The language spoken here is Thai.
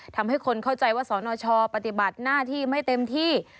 ทำให้คนเข้าใจว่าสนชปฏิบัติหน้าที่ไม่เต็มที่